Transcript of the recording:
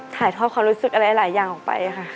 ถ่ายทอดความรู้สึกอะไรหลายอย่างออกไปค่ะ